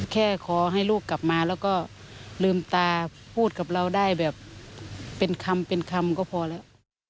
แค่ขอให้ลูกกลับมาแล้วก็ลืมตาพูดกับเราได้แบบเป็นคำเป็นคำก็พอแล้ว